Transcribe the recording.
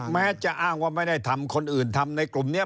แม้จะอ้างว่าไม่ได้ทำคนอื่นทำในกลุ่มนี้